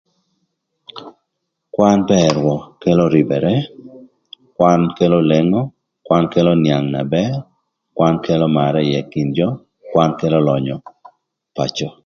Kwan bër rwök kelo rïbërë, kwan kelo lengo, kwan kelo nïang na bër, kwan kelo marë ï kin jö, kwan kelo lönyö ï pacö.